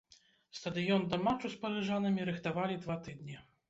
Стадыён да матчу з парыжанамі рыхтавалі два тыдні.